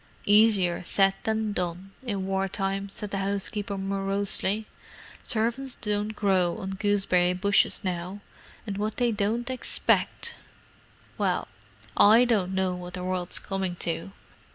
"Easier said than done, in war time," said the housekeeper morosely. "Servants don't grow on gooseberry bushes now, and what they don't expect——! Well, I don't know what the world's coming to."